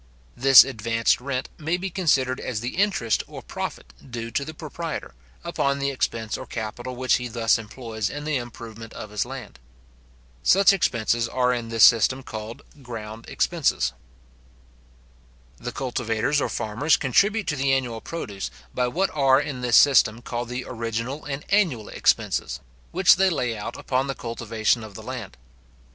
This advanced rent may be considered as the interest or profit due to the proprietor, upon the expense or capital which he thus employs in the improvement of his land. Such expenses are in this system called ground expenses (depenses foncieres). The cultivators or farmers contribute to the annual produce, by what are in this system called the original and annual expenses (depenses primitives, et depenses annuelles), which they lay out upon the cultivation of the land.